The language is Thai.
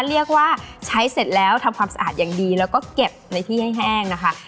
เรียกว่าใช้เสร็จแล้วทำความสะอาดอย่างดีแล้วก็เก็บในที่ให้แห้งนะคะ